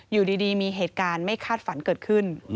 อยู่ดีมีเหตุการณ์ไม่คาดฝันเกิดขึ้น